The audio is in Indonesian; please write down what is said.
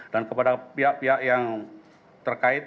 dan kepada pihak pihak yang terkait